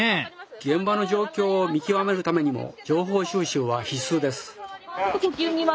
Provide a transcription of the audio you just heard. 現場の状況を見極めるためにも情報収集は必須です。